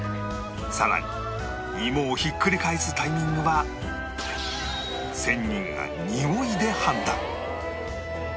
さらに芋をひっくり返すタイミングは仙人がにおいで判断